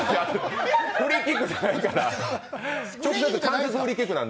フリーキックじゃないから。